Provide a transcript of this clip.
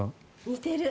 似てる。